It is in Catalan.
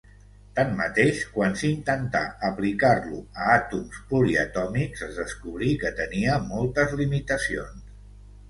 Tanmateix, quan s'intentà aplicar-lo a àtoms poliatòmics es descobrí que tenia moltes limitacions.